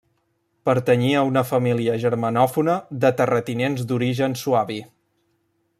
Pertanyia a una família germanòfona de terratinents d'origen suabi.